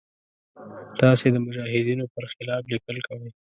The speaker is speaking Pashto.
تاسې د مجاهدینو پر خلاف لیکل کوئ.